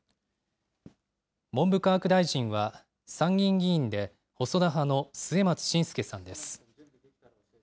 文部科学大臣は参議院議員で細田派の末松信介さんです。